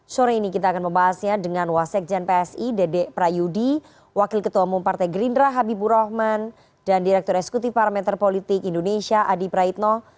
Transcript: sore ini kita akan membahasnya dengan wasekjen psi dede prayudi wakil ketua umum partai gerindra habibur rahman dan direktur eksekutif parameter politik indonesia adi praitno